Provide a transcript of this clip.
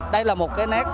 đây là một cái nét